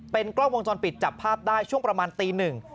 กล้องวงจรปิดจับภาพได้ช่วงประมาณตีหนึ่ง